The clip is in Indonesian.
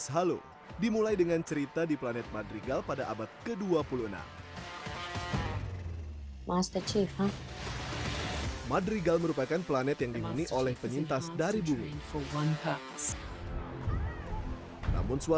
halo game yang memiliki banyak penggemar sejak dirilis dua ribu satu lalu